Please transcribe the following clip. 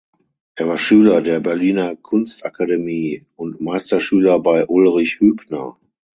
Er war Schüler der Berliner Kunstakademie und Meisterschüler bei Ulrich Hübner.